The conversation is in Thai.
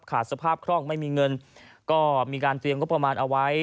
สภาพคล่องไม่มีเงินก็มีการเตรียมงบประมาณเอาไว้